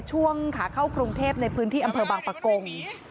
ช่วงขาเข้ากรุงเทพในพื้นที่อำเภอบางปะกง